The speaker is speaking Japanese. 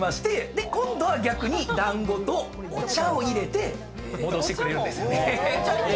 で今度は逆に団子とお茶を入れて戻してくれるんですよね。